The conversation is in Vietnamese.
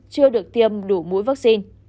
chưa được tiêm đủ mũi vaccine